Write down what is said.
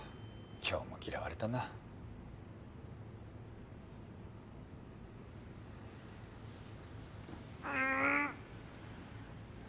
今日も嫌われたなぁ。